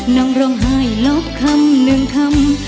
น้องร้องหายหลอกคำหนึ่งคำ